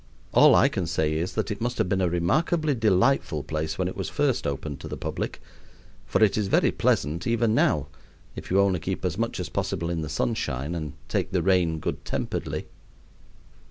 All I can say is that it must have been a remarkably delightful place when it was first opened to the public, for it is very pleasant even now if you only keep as much as possible in the sunshine and take the rain good temperedly.